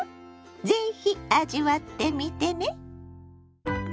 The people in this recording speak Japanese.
是非味わってみてね。